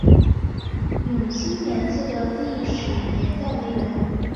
永兴岩寺的历史年代为元。